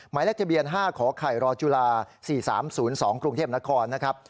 หมายเลขทะเบียน๕ขอไข่รจุฬา๔๓๐๒กรุงเทพนครนะครับ